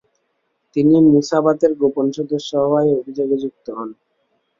তিনি মুসাভাতের গোপন সদস্য হওয়ার অভিযোগে অভিযুক্ত হন।